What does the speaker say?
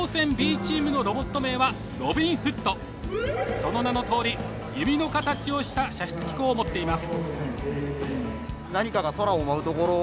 その名のとおり弓の形をした射出機構を持っています。